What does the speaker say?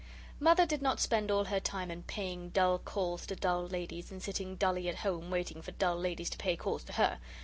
Mother did not spend all her time in paying dull calls to dull ladies, and sitting dully at home waiting for dull ladies to pay calls to her.